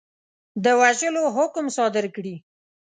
د وژلو حکم صادر کړي.